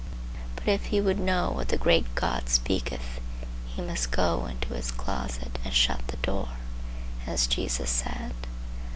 But if he would know what the great God speaketh, he must 'go into his closet and shut the door,' as Jesus said.